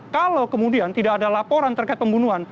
kalau kemudian tidak ada laporan terkait pembunuhan